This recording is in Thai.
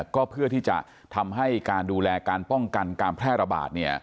ก็เพื่อที่จะทำให้การดูแลการป้องกันการแพร่ระบาด